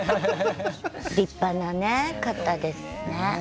立派な方ですね。